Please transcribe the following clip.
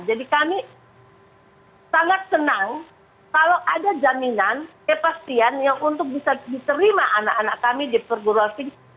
jadi kami sangat senang kalau ada jaminan kepastian untuk bisa diterima anak anak kami di perguruan tinggi